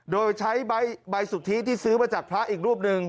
โดยใช้ใบสุทธิที่ซื้อมาจากพระอีกรูปหนึ่ง